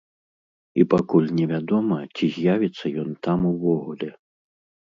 І пакуль невядома, ці з'явіцца ён там увогуле.